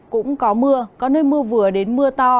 cũng có mưa có nơi mưa vừa đến mưa to